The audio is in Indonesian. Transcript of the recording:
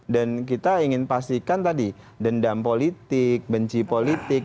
dan kita ingin pastikan tadi dendam politik benci politik